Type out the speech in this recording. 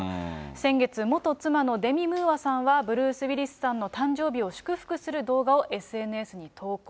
先月、元妻のデミ・ムーアさんは、ブルース・ウィリスさんの誕生日を祝福する動画をＳＮＳに投稿。